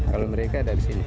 kalau mereka dari sini